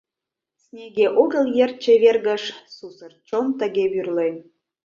Снеге огыл йыр чевергыш, Сусыр чон тыге вӱрлен.